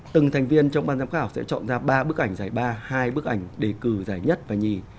từng thành viên trong ban giám khảo sẽ chọn ra ba bức ảnh giải ba hai bức ảnh đề cử giải nhất và nhì